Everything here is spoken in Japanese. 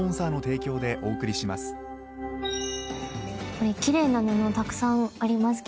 これ奇麗な布たくさんありますけれども。